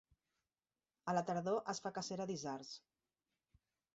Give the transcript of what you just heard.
A la tardor es fa cacera d'isards.